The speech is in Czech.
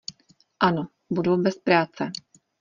Ano, budou bez práce.